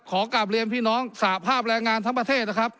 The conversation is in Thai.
กลับเรียนพี่น้องสาภาพแรงงานทั้งประเทศนะครับ